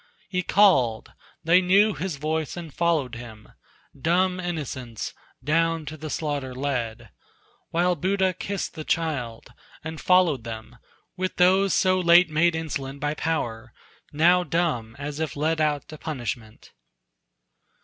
He called; they knew his voice and followed him, Dumb innocents, down to the slaughter led, While Buddha kissed the child, and followed them, With those so late made insolent by power, Now dumb as if led out to punishment.